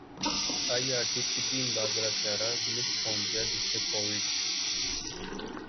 ای R C طبی امداد والا طیارہ دمشق پہنچ گیا جس سے کوویڈ